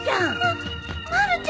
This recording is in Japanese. あっまるちゃん。